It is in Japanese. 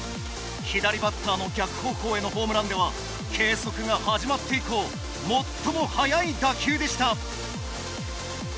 左バッターの逆方向へのホームランでは計測が始まって以降最も速い打球でした。